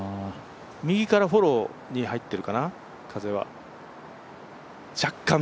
右からフォローに入ってるかな、風は。